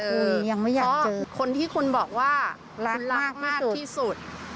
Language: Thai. เพราะคนที่คุณบอกว่าคุณรักมากที่สุด